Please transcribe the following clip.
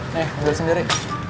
nih ambil sendiri